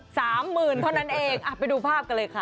สามหมื่นเท่านั้นเองอ่ะไปดูภาพกันเลยค่ะ